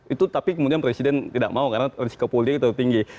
itu tapi kemudian presiden tidak mau karena resiko polia itu tertinggi